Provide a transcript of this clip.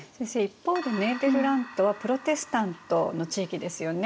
一方でネーデルラントはプロテスタントの地域ですよね。